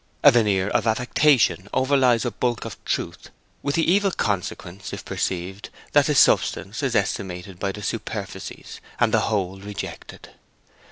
A veneer of affectation overlies a bulk of truth, with the evil consequence, if perceived, that the substance is estimated by the superficies, and the whole rejected.